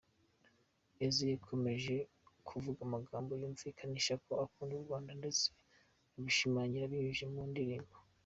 Eazi yakomeje kuvuga amagambo yumvikanisha ko akunda u Rwanda ndetse abishimangira abinyujije mu ndirimbo.